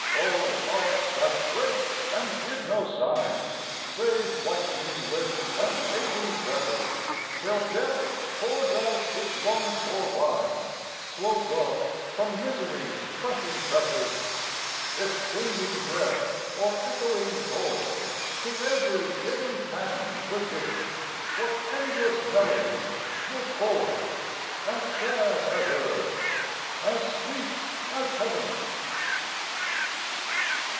O hearts that break and give no sign Save whitening lip and fading tresses, Till Death pours out his longed for wine Slow dropped from Misery's crushing presses, If singing breath or echoing chord To every hidden pang were given, What endless melodies were poured, As sad as earth, as sweet as heaven!